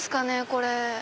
これ。